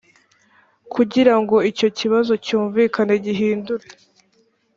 kugira ngo icyo kibazo cyumvikane gihindure.